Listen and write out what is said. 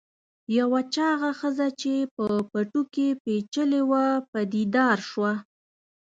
یوه چاغه ښځه چې په پټو کې پیچلې وه پدیدار شوه.